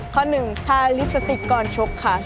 ข้อหนึ่งทาลิปสติกก่อนชกค่ะ